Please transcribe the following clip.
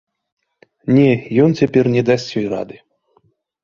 Не, ён цяпер не дасць ёй рады!